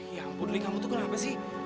ya ampun duri kamu itu kenapa sih